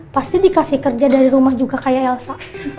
pasti dikasih kerja dari rumah juga kayak elsa